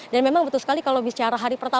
dan memang betul sekali kalau bicara hari pertama